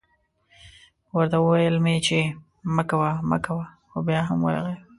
ورته ویل مې چې مه کوه مه کوه خو بیا هم ورغی